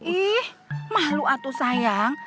ih mahluk atuh sayang